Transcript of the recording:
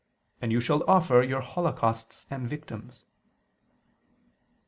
. and you shall offer ... your holocausts and victims."